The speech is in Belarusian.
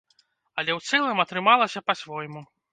Але ў цэлым, атрымалася па-свойму.